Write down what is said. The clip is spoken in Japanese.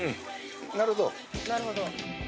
なるほど。